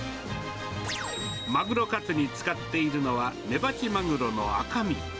マグロカツに使っているのは、メバチマグロの赤身。